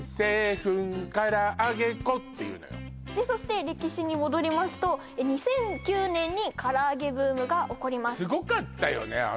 そして歴史に戻りますと２００９年にからあげブームが起こりますすごかったよね